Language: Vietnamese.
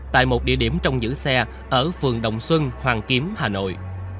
tại một địa điểm trong giữ xe ở phường đồng xuân hoàng kiếm hà nội